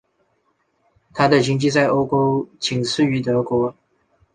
她的经济在欧洲仅次于德国。